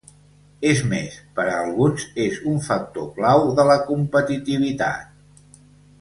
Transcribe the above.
És més, per a alguns és un factor clau de la competitivitat.